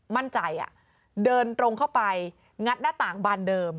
มั่นใจเดินตรงเข้าไปงัดหน้าต่างบานเดิม